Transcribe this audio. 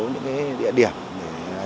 những cái địa điểm để